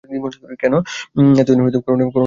কেন, এত দিনেও কি করুণার সহিয়া যায় নাই।